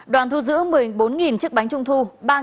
đoàn thu giữ một mươi bốn chiếc bánh trung thu